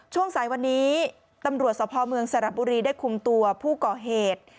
ช่วงสายวันนี้ตำรวจสภเมืองสระบุรีได้คุมตัวผู้ก่อเหตุ